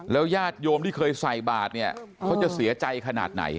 ญาติโยมที่เคยใส่บาทเนี่ยเขาจะเสียใจขนาดไหน